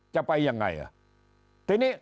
จะไปยังไง